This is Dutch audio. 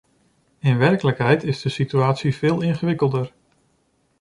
In werkelijkheid is de situatie veel ingewikkelder.